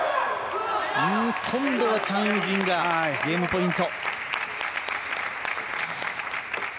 今度はチャン・ウジンがゲームポイント。